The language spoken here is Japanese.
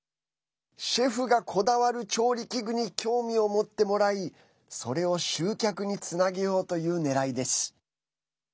シェフがこだわる調理器具に興味を持ってもらいそれを集客につなげようというねらいです。